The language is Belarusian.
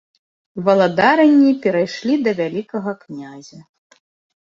Валадаранні перайшлі да вялікага князя.